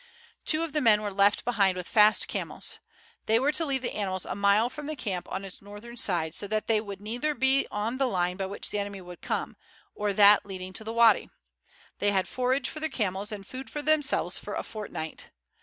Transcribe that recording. Two of the men were left behind with fast camels. They were to leave the animals a mile from the camp on its northern side, so that they would neither be on the line by which the enemy would come or that leading to the wady. They had forage for their camels and food for themselves for a fortnight.